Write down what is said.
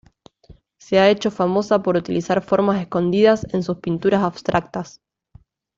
Se ha hecho famosa por utilizar formas escondidas en sus pinturas abstractas.